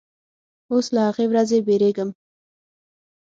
اوس له هغې ورځې بیریږم